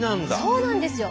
そうなんですよ。